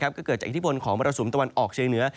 ก็เกิดจากอิทธิพลของมรสุมตะวันออกเชียงเหนือ